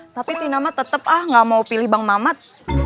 tapi tinama tetap ah nggak mau pilih bang mamat